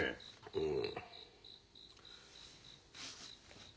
うん。